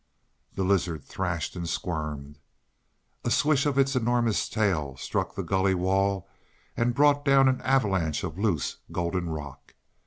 The lizard threshed and squirmed. A swish of its enormous tail struck the gully wall and brought down an avalanche of loose, golden rock.